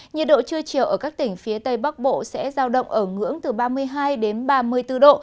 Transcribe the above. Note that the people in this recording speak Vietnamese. nhiệt độ trưa chiều ở các tỉnh phía tây bắc bộ sẽ giao động ở ngưỡng từ ba mươi hai đến ba mươi bốn độ